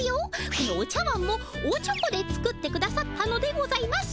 このお茶わんもおちょこで作ってくださったのでございます。